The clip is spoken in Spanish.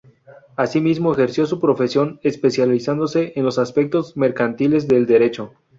Asimismo, ejerció su profesión, especializándose en los aspectos mercantiles del Derecho.